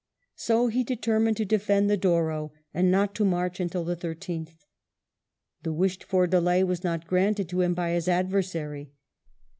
So he determined to defend the Douro, and not to march until the 13th. The wished for delay was not granted to him by his adversary.